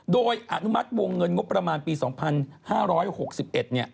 โดยอนุมัติวงเงินงบประมาณปี๒๕๖๑เนี่ย